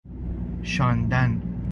شاندن